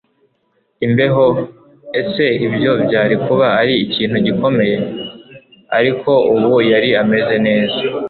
imbeho. ese ibyo byari kuba ari ikintu gikomeye? ariko ubu yari ameze neza